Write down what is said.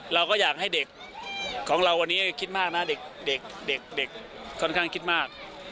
เราก็อยากให้เด็กของเราวันนี้คิดมากนะเด็กค่อนข้างคิดมาก